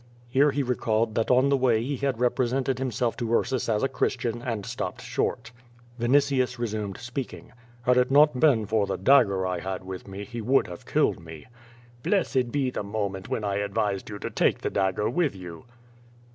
'' Here he recalled that on the way he had represented himself to Ursus as a Christian, and stopped short. Vinitius resumed speaking. *'llad it not been for the dag ger I had with me, he would have killed me." "JMessed be the moment when 1 advised you to take the dagger with you."